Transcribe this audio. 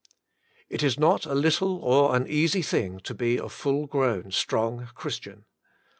It is not a little or an easy thing to be a full grown, strong Christian.